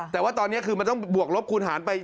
แต่ว่าตอนนี้คือมันต้องบวกลบคูณหารไป